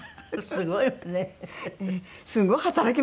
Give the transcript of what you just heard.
すごいわね。